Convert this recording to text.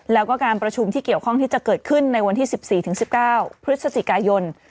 แล้วก็การประชุมที่เกี่ยวข้องที่จะเกิดขึ้นในวันที่๑๔๑๙พฤศจิกายน